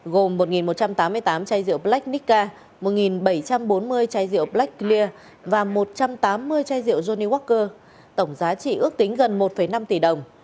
gồm một một trăm tám mươi tám chai rượu black nikka một bảy trăm bốn mươi chai rượu black clear và một trăm tám mươi chai rượu johnny walker tổng giá trị ước tính gần một năm tỷ đồng